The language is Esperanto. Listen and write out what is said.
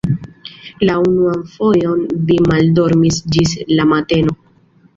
La unuan fojon vi maldormis ĝis la mateno.